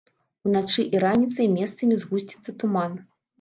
Уначы і раніцай месцамі згусціцца туман.